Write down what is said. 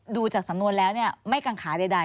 ดูจากสำนวนแล้วไม่กังขาใด